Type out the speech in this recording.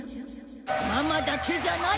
ママだけじゃない！